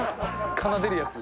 奏でるやつ。